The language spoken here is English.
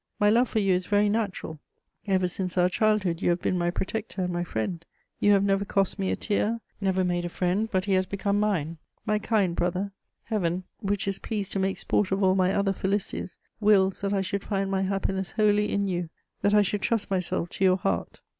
My love for you is very natural: ever since our childhood you have been my protector and my friend; you have never cost me a tear, never made a friend but he has become mine. My kind brother, Heaven, which is pleased to make sport of all my other felicities, wills that I should find my happiness wholly in you, that I should trust myself to your heart.